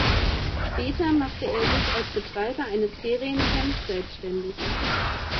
Später machte er sich als Betreiber eines Ferien-Camps selbständig.